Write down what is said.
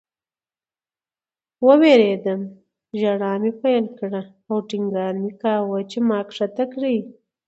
ووېرېدم. ژړا مې پیل کړه او ټینګار مې کاوه چې ما ښکته کړئ